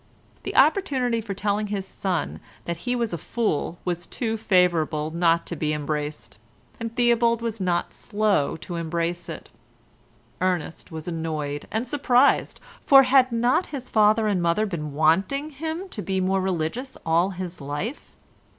The opportunity for telling his son that he was a fool was too favourable not to be embraced, and Theobald was not slow to embrace it. Ernest was annoyed and surprised, for had not his father and mother been wanting him to be more religious all his life?